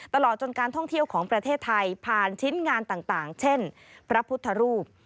ตลอดจนการท่องเที่ยวของประเทศไทยผ่านชิ้นงานต่างเช่นพระพุทธรูป